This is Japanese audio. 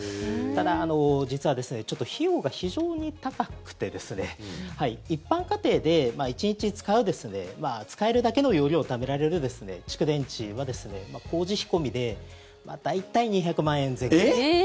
ただ、実はちょっと費用が非常に高くて一般家庭で１日使う使えるだけの容量をためられる蓄電池は工事費込みで大体２００万円前後。